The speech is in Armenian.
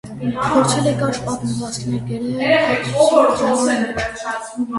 Փորձել է կարճ պատմվածքներ գրել աբսուրդ ժանրի մեջ։